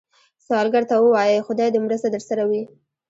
سوالګر ته ووايئ “خدای دې مرسته درسره وي”